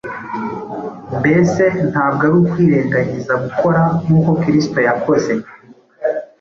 Mbese ntabwo ari ukwirengagiza gukora nk’uko Kristo yakoze,